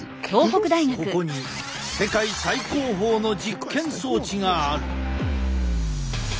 ここに世界最高峰の実験装置がある。